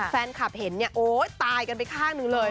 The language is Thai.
แฟนคลับเห็นเนี่ยโอ๊ยตายกันไปข้างหนึ่งเลย